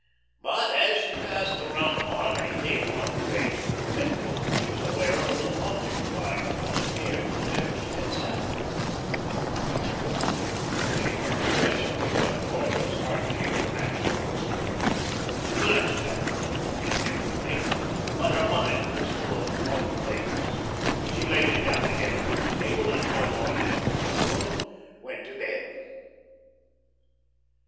But, as she passed the round mahogany table, on her way to her bedroom, she was aware of a little object lying upon it, near to where she had sat. "Oh, he forgot it," she murmured, as she picked up Corthell's heart shaped match box. She glanced at it a moment, indifferently; but her mind was full of other things. She laid it down again upon the table, and going on to her own room, went to bed.